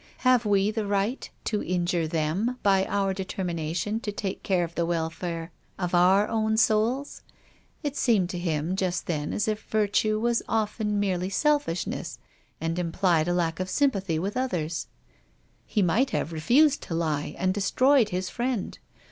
Have we the right to injure them by our determination to take care of the welfare of our own souls? It seemed to him just then as if virtue was often merely selfishness and implied a lack of sympathy with others. He might have refused to lie and destroyed his friend.